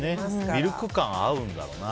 ミルク感が合うんだろうな。